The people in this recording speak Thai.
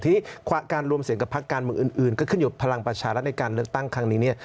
ทีนี้การรวมเสียงกับพักการเมืองอื่นก็ขึ้นอยู่พลังประชารัฐในการเลือกตั้งครั้งนี้เนี่ย